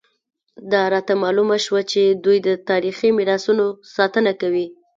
دا راته معلومه شوه چې دوی د تاریخي میراثونو ساتنه کوي.